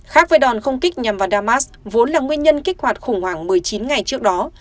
khác với đòn không kích nhằm vào damas vốn là nguyên nhân kích hoạt khủng hoảng một mươi chín ngày trước đó